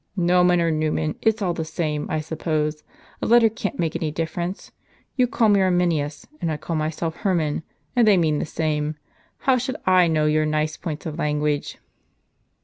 " Nomen or Numen, it's all the same, I suppose. A letter can't make any difference. You call me Arminius, and I call myself Hermann, and they mean the same. How should / know your nice points of language?